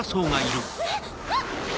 えっあっ！